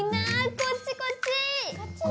こっちこっち！